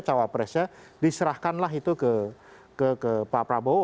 cawapresnya diserahkanlah itu ke pak prabowo